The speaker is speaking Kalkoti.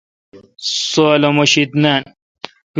سو الو مہ شید نان